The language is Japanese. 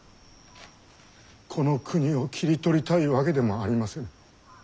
この国を切り取りたいわけでもありませぬ。